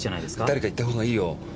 だれか言ったほうがいいよ。